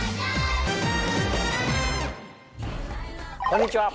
こんにちは